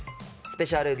スペシャル